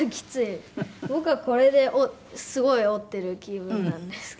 僕はこれですごい折ってる気分なんですけど。